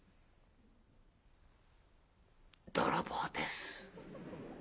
「泥棒です」。